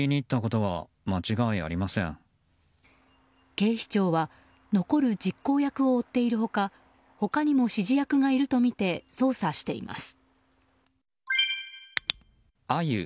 警視庁は残る実行役を追っている他他にも指示役がいるとみて捜査しています。